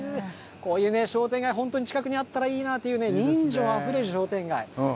こういうね、商店街、近くにあったらいいなというね、人情あふれる商店街。